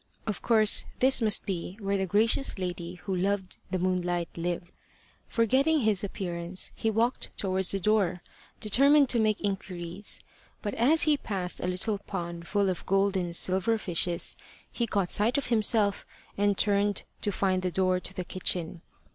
Of course this must be where the gracious lady who loved the moonlight lived. Forgetting his appearance, he walked towards the door, determined to make inquiries, but as he passed a little pond full of gold and silver fishes, he caught sight of himself and turned to find the door to the kitchen.